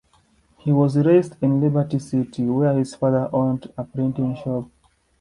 He was raised in Liberty City, where his father owned a printing shop.